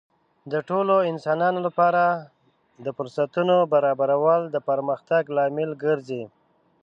د ټولو انسانانو لپاره د فرصتونو برابرول د پرمختګ لامل ګرځي.